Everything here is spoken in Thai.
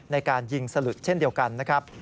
ในการยิงสลุดเช่นเดียวกันนะครับ